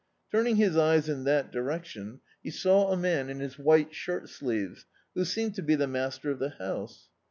Turning his eyes in that direction he saw a man in his white shirt sleeves, who seemed to be the master of the house.